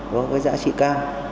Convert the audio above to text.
với giá trị cao